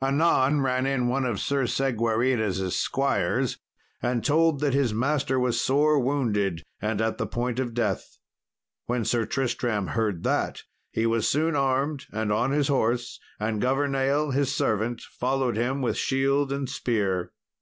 Anon ran in one of Sir Segwarides' squires, and told that his master was sore wounded, and at the point of death. When Sir Tristram heard that, he was soon armed and on his horse, and Governale, his servant, followed him with shield and spear.